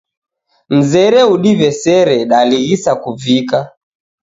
Mzere udiw'esere, dalighisa kuvika.